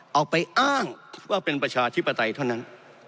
เอาไปอ้างว่าเป็นประชาธิปไตยเท่านั้น